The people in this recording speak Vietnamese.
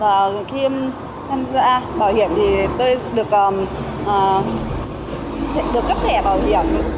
và khi tham gia bảo hiểm thì tôi được cấp thẻ bảo hiểm